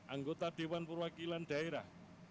anggota dewan perwakilan daerah